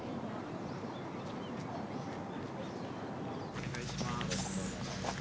お願いします。